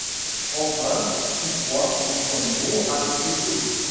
Enfin tous trois nous sommes bons à quelque chose.